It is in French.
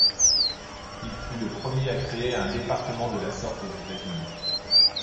Il fut le premier à créer un département de la sorte aux États-Unis.